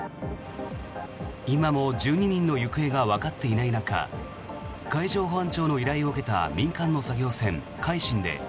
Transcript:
今も１２人の行方がわかっていない中海上保安庁の依頼を受けた民間の作業船「海進」で